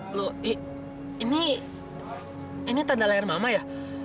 loh ini tanda lahir mama ya